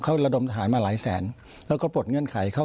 เขาระดมทหารมาหลายแสนแล้วก็ปลดเงื่อนไขเขา